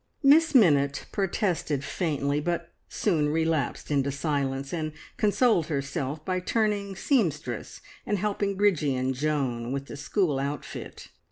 Miss Minnitt protested faintly, but soon relapsed into silence, and consoled herself by turning seamstress and helping Bridgie and Joan with the school outfit.